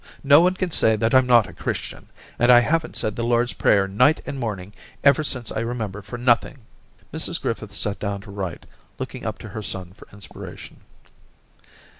No one can say that I'm not a Christian, and I haven't said Daisy 261 the Lord's Prayer night and morning ever since I remember for nothing/ Mrs Griffith sat down to write, looking up to her son for inspiration.